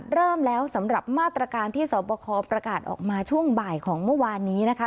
เริ่มแล้วสำหรับมาตรการที่สอบคอประกาศออกมาช่วงบ่ายของเมื่อวานนี้นะคะ